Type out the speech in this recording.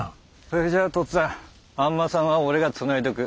それじゃとっつぁんあんまさんは俺がつないでおく。